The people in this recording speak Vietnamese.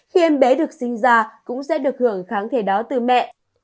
khi em bé được sinh ra cũng sẽ được hưởng kháng thể đó từ mẹ